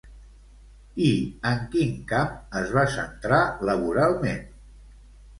I en quin camp es va centrar laboralment?